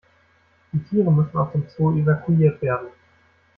Die Tiere müssen aus dem Zoo evakuiert werden.